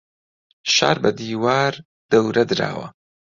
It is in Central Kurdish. شار بە دیوار دەورە دراوە.